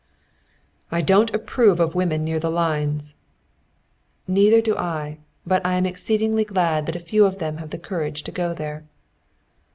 "I don't approve of women near the lines." "Neither do I. But I'm exceedingly glad that a few of them have the courage to go there."